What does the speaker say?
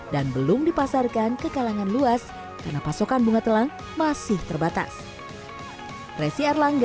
dan belum dipasarkan ke kalangan luas karena pasokan bunga telang masih terbatas